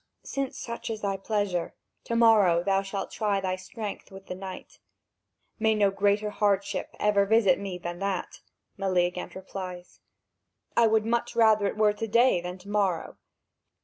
Since such is thy pleasure, to morrow thou shalt try thy strength with the knight." "May no greater hardship ever visit me than that!" Meleagant replies; "I would much rather it were to day than to morrow.